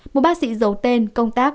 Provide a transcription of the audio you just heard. một bác sĩ giấu tên công tác